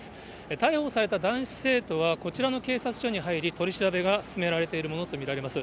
逮捕された男子生徒は、こちらの警察署に入り、取り調べが進められているものと見られます。